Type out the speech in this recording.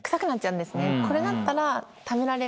これだったら。